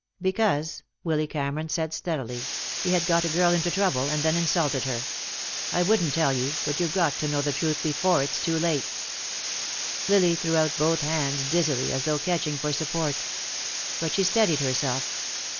"Because," Willy Cameron said steadily, "he had got a girl into trouble, and then insulted her. I wouldn't tell you, but you've got to know the truth before it's too late." Lily threw out both hands dizzily, as though catching for support. But she steadied herself.